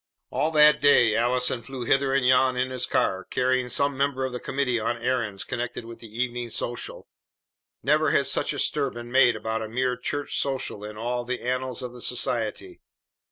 All that day Allison flew hither and yon in his car, carrying some member of the committee on errands connected with the evening social. Never had such a stir been made about a mere church social in all the annals of the society.